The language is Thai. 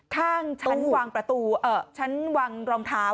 ข้างชั้นวางประตูเอ่อชั้นวางรองเท้าอะค่ะโอ้ย